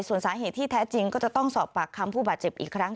ส่วนสาเหตุที่แท้จริงก็จะต้องสอบปากคำผู้บาดเจ็บอีกครั้ง